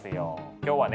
今日はね